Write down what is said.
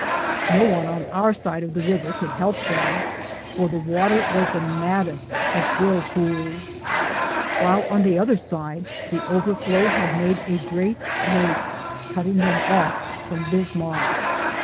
No one on our side of the river could help them, for the water was the maddest of whirlpools, while on the other side the overflow had made a great lake, cutting them off from Bismarck.